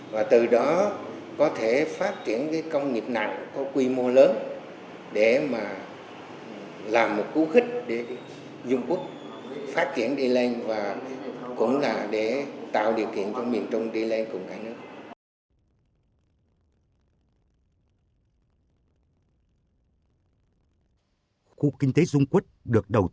và từ đó có thể phát triển công nghiệp nặng có quy mô lớn để làm một cú khích để dung quốc phát triển đi lên và cũng là để tạo điều kiện cho miền trung đi lên cùng cả nước